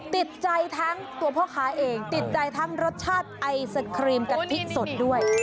ติดใจทั้งตัวพ่อค้าเองติดใจทั้งรสชาติไอศครีมกะทิสดด้วย